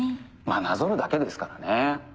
まぁなぞるだけですからね。